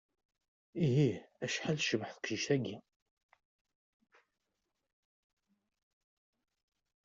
Ihih, acḥal tecbeḥ teqcict-agi!